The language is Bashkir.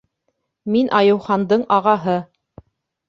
— Мин Айыухандың ағаһы.